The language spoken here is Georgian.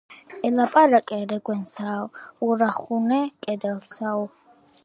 ელაპარაკე რეგვენსაო, ურახუნე კედელსაო.